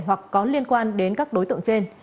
hoặc có liên quan đến các đối tượng trên